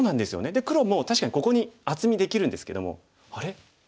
で黒も確かにここに厚みできるんですけども「あれ？